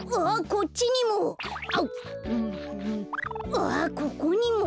あっここにも。